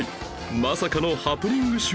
まさかのハプニング集